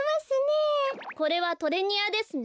これはトレニアですね。